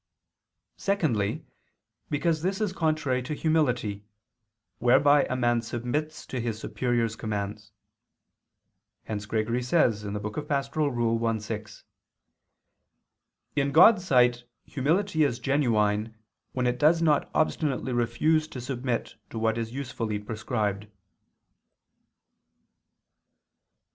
Secondly, because this is contrary to humility, whereby a man submits to his superior's commands: hence Gregory says (Pastor. i, 6): "In God's sight humility is genuine when it does not obstinately refuse to submit to what is usefully prescribed."